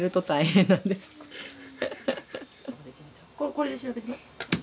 これで調べるの？